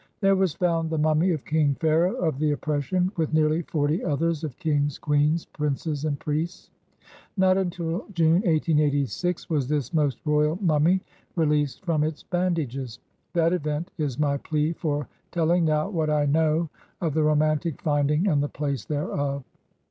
There was found the mummy of King Pharaoh of the Oppression, with nearly forty others of kings, queens, princes, and priests. Not until June, 1886, was this most royal mummy released from its bandages. That event is my plea for teUing now what I know of the romantic finding and the place thereof.